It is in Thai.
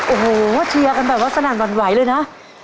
โอ้โหเชียร์กันแบบว่าสนั่นหวั่นไหวเลยนะ